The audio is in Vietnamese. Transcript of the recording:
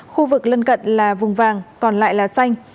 khu vực lân cận là vùng vàng còn lại là xanh